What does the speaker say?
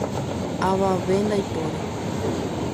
Avave ndaipóri.